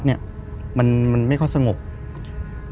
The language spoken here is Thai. คือก่อนอื่นพี่แจ็คผมได้ตั้งชื่อ